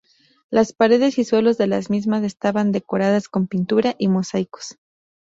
Las paredes y suelos de las mismas estaban decoradas con pintura y mosaicos.